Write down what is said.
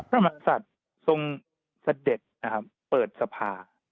พระมันศัตริย์ทรงเสด็จเปิดสภา